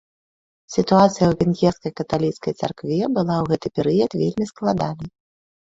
Сітуацыя ў венгерскай каталіцкай царкве была ў гэты перыяд вельмі складанай.